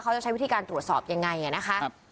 ใช้วิธีการตรวจสอบยังไงนะคะ